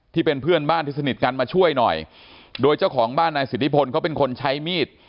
ที่เป็นเพื่อนบ้านที่สนิทกันมาช่วยหน่อยโดยเจ้าของบ้านนายสิทธิพลเขาเป็นคนใช้มีด